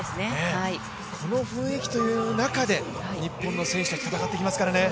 この雰囲気という中で日本の選手戦ってきますからね。